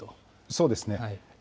そうですね。